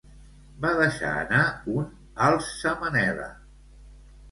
Va deixar anar un alça Manela!